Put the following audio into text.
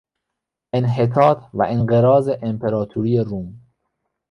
انحطاط و انقراض امپراطوری روم